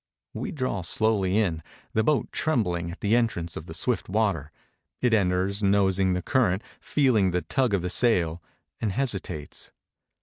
We draw slowly in, the boat trembling at the entrance of the swift water; it enters, nosing the current, feehng the tug of the sail, and hesitates.